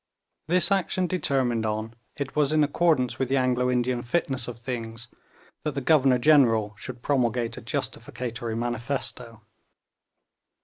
This action determined on, it was in accordance with the Anglo Indian fitness of things that the Governor General should promulgate a justificatory manifesto.